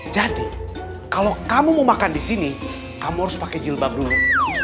jadi kalau kamu mau makan di sini kamu harus pakai jilbab dulu